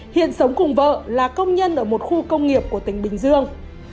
hiện sống cùng vợ là công nhân ở một khu công nghiệp của tỉnh bình dương